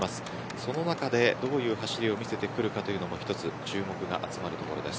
その中で、どういう走りを見せてくるか一つ注目が集まります。